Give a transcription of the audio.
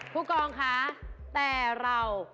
ผู้กองคะแต่เรา